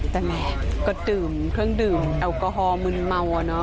ได้ไหมก็ดื่มเครื่องดื่มแอลกอฮอล์มืนเมานะ